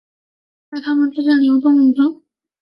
在他们之间流动的奇尔奇克河。